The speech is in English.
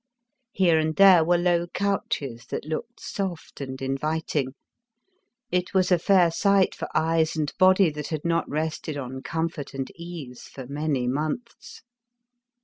Here and there were low couches that looked soft and inviting — it was a fair sight for eyes and body that had not rested on comfort and ease for many months.